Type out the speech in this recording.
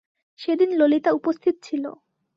সেদিন ললিতা উপস্থিত ছিল।